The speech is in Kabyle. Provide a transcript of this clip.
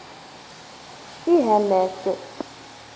Ih, a Mass!